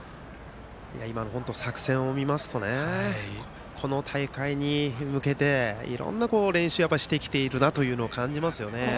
今の作戦を見ますとこの大会に向けていろんな練習をしてきていると感じますね。